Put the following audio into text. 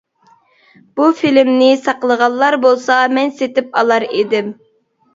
بۇ فىلىمنى ساقلىغانلار بولسا مەن سېتىپ ئالار ئىدىم.